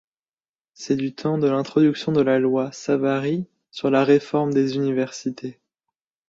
C'est du temps de l'introduction de la loi Savary sur la reforme des universités.